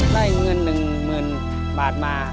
ได้เงินหนึ่งหมื่นบาทมา